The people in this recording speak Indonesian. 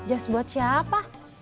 jas buat siapa